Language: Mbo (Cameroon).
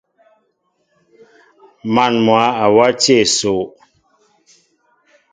Man mwă a wati esoo.